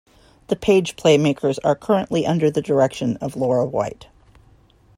The Page Playmakers are currently under the direction of Laura White.